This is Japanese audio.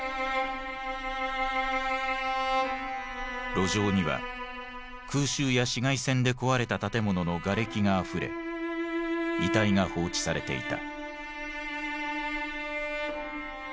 路上には空襲や市街戦で壊れた建物のがれきがあふれ遺体が放置されていた。